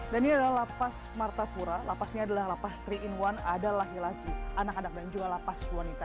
dan ini adalah lapas martapura lapas ini adalah lapas tiga in satu ada laki laki anak anak dan juga lapas wanita